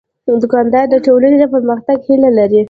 دوکاندار د ټولنې د پرمختګ هیله لري.